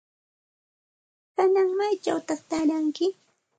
¿Kanan maychawta taaranki?